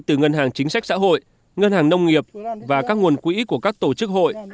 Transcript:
từ ngân hàng chính sách xã hội ngân hàng nông nghiệp và các nguồn quỹ của các tổ chức hội